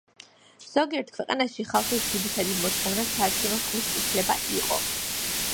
ზოგიერთ ქვეყანაში ხალხის ძირითადი მოთხოვნა საარჩევნო ხმის უფლება იყო.